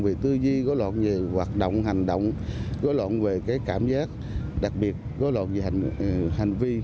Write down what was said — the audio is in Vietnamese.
về tư duy gối loạn về hoạt động hành động gối loạn về cái cảm giác đặc biệt gối loạn về hành vi